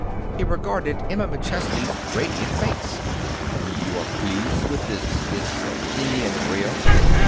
He regarded Emma McChesney's radiant face. "You are pleased with this this Indian Rio?"